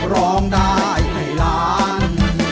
ร้องได้ให้ล้าน